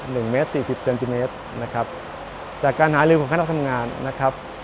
หนึ่งเมตรสี่สิบเซนติเมตรนะครับจากการหาลืมของคณะทำงานนะครับ